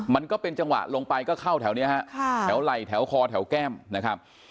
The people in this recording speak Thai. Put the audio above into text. มันก็เป็นจังหวะลงไปก็เข้าแถวนี้ฮะแถวไหล่แถวคอแถวแก้มนะครับ